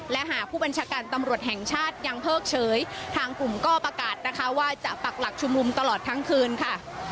และหากผู้บัญชาการตำรวจแห่งชาติยังเพิกเฉยทางกลุ่มก็ประกาศนะคะว่าจะปักหลักชุมนุมตลอดทั้งคืนค่ะ